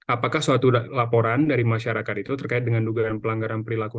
apakah suatu laporan dari masyarakat itu terkait dengan dugaan pelanggaran perilaku